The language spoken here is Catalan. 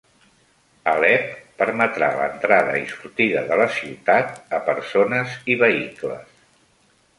Alep permetrà l'entrada i sortida de la ciutat a persones i vehicles